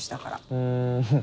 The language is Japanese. うん。